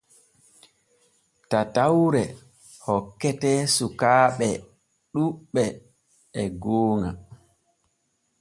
Tatawre hokkete sukaaɓe ɗuuɓɓe e gooŋa.